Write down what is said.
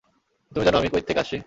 তুমি জানো আমি, কই থেইক্কা আসছি?